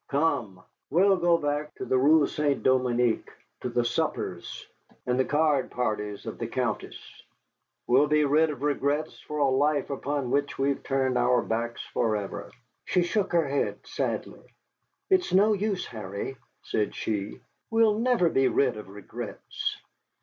Come, we'll go back to the Rue St. Dominique, to the suppers and the card parties of the countess. We'll be rid of regrets for a life upon which we have turned our backs forever." She shook her head, sadly. "It's no use, Harry," said she, "we'll never be rid of regrets."